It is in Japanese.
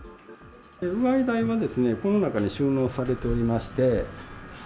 うがい台はこの中に収納されておりまして。